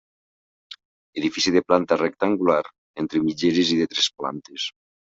Edifici de planta rectangular entre mitgeres i de tres plantes.